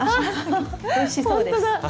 ふふふおいしそうです。